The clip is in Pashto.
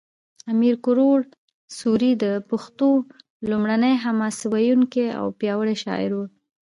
امیر کروړ سوري د پښتو لومړنی حماسه ویونکی او پیاوړی شاعر و